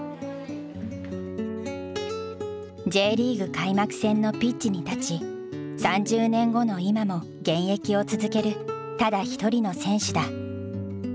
開幕戦のピッチに立ち３０年後の今も現役を続けるただ一人の選手だ。